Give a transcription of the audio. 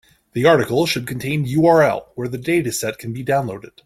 The article should contain URL where the dataset can be downloaded.